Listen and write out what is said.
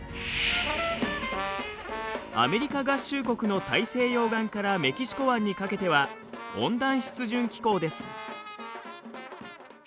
アメリカ合衆国の大西洋岸からメキシコ湾にかけては温暖湿潤気候です。